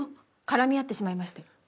絡み合ってしまいまして。